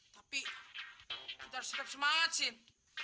tapi kita harus tetap semangat sih